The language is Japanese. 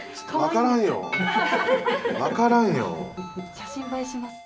写真映えします。